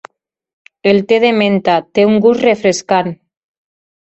El te de menta té un gust refrescant.